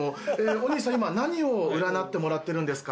お兄さん今何を占ってもらってるんですか？